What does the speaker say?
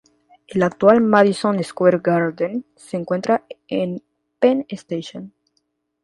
El actual Madison Square Garden se encuentra en Penn Station.